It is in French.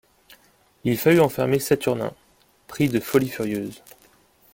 Il fallut enfermer Saturnin, pris de folie furieuse.